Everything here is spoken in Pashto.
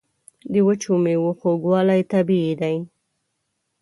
د وچو میوو خوږوالی طبیعي دی.